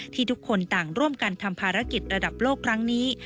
ทุกคนต่างร่วมกันทำภารกิจระดับโลกครั้งนี้